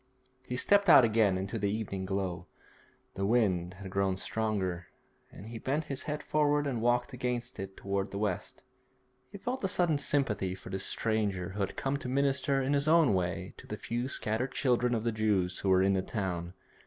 He stepped out again into the evening glow. The wind had grown stronger, and he bent his head forward and walked against it towards the west. He felt a sudden sympathy for this stranger who had come to minister in his own way to the few scattered children of the Jews who were in the town.